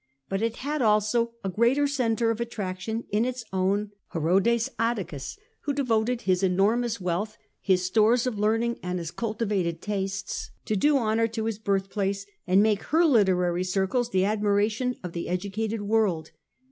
But it had also a greater centre of attraction in its own Hcrodes Atticus, who devoted his enormous Herodcs wealth, his stores of learning and his culti Atticus. vated tastes, to do honour to his birthplace, and makt her literary circles the admiration of the educated world.